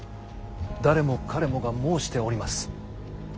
誰もかれもが申しております。